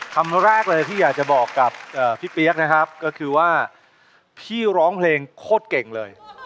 คำแรกเลยที่อยากจะบอกกับพี่เปี๊ยกนะครับก็คือว่าพี่ร้องเพลงโคตรเก่งเลย